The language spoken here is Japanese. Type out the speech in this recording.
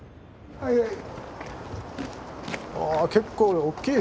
はいはい。